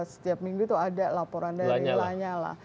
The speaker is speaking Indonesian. setiap minggu itu ada laporan dari lanyala